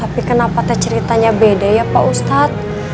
tapi kenapa ceritanya beda ya pak ustadz